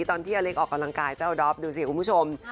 ตอนที่อเล็กออกกำลังกายเจ้าด๊อบดูสิคุณผู้ชม